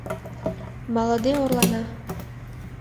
Малыде орлана.